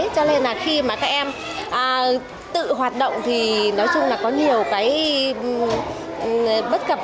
cho nên là khi mà các em tự hoạt động thì nói chung là có nhiều cái bất cập